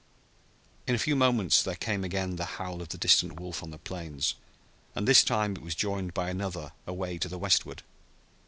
In a few moments there came again the howl of the distant wolf on the plains, and this time it was joined by another away to the westward.